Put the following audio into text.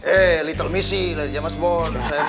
eh little misi dari jaman bond